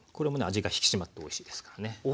味が引き締まっておいしいですからね。